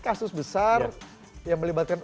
kasus besar yang melibatkan